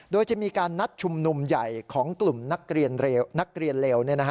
โดยจะมีการนัดชุมนุมใหญ่ของกลุ่มนักเรียนเลว